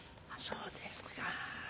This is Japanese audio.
そうですか。